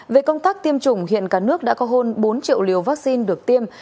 về công tác tiêm chủng hiện cả nước đã có hơn bốn triệu liều vaccine được tiêm